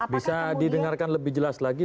bisa didengarkan lebih jelas lagi